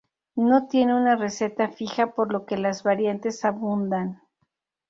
No tiene una receta fija, por lo que las variantes abundan.